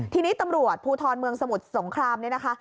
ทีนี้ตำรวจภูทรเมืองสมุทรสงครามเนี่ยนะคะ